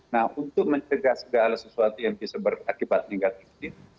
nah untuk mencegah segala sesuatu yang bisa berakibat negatif